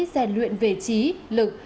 xe luyện về trí lực